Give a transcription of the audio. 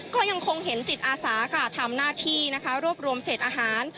ก็ยังคงเห็นจิตอาสาค่ะทำหน้าที่นะคะรวบรวมเศษอาหาร